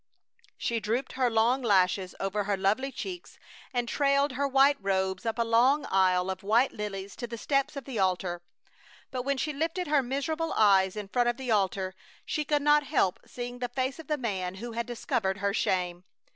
She drooped her long lashes over her lovely cheeks, and trailed her white robes up a long aisle of white lilies to the steps of the altar; but when she lifted her miserable eyes in front of the altar she could not help seeing the face of the man who had discovered her shame.